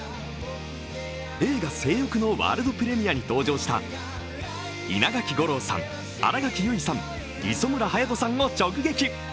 映画「正欲」のワールドプレミアに登場した稲垣吾郎さん、新垣結衣さん、磯村勇斗さんを直撃！